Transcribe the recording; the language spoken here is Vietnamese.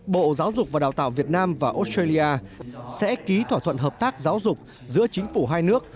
bộ giáo dục và đào tạo việt nam và australia sẽ ký thỏa thuận hợp tác giáo dục giữa chính phủ hai nước